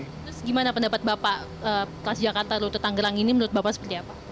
terus gimana pendapat bapak transjakarta rute tanggerang ini menurut bapak seperti apa